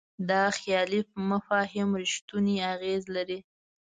دا خیالي مفاهیم رښتونی اغېز لري.